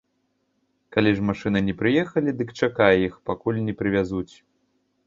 Калі ж машыны не прыехалі, дык чакай іх, пакуль не прывязуць.